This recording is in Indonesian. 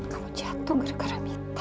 kamu jatuh gara gara mita